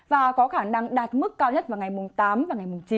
và có khả năng đạt mức cao nhất vào ngày mùng tám và ngày mùng chín